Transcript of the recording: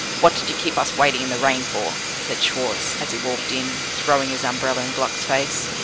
"What did you keep us waiting in the rain for?" said Schwartz, as he walked in, throwing his umbrella in Gluck's face.